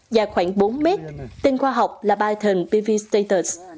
dài khoảng bốn m tên khoa học là python pv status